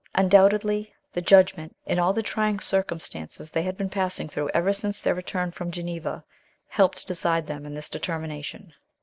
Undoubtedly the judg ment, and all the trying circumstances they had been passing through ever since their return from Geneva, helped to decide them in this determination.